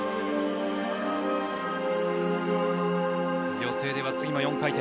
予定では次も４回転。